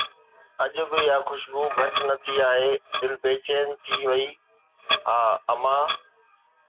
اڄ به اها خوشبو گهٽ نه ٿي آهي، دل بيچين ٿي وئي: ها، امان؟